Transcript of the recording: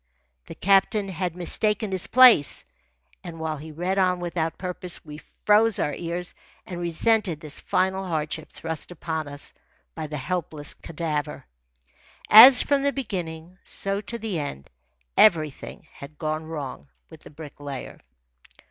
The captain had mistaken his place, and while he read on without purpose we froze our ears and resented this final hardship thrust upon us by the helpless cadaver. As from the beginning, so to the end, everything had gone wrong with the Bricklayer.